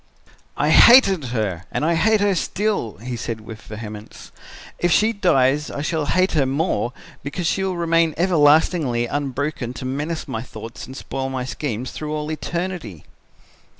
"'I hated her and I hate her still,' he said with vehemence; 'if she dies I shall hate her more because she will remain everlastingly unbroken to menace my thoughts and spoil my schemes through all eternity.'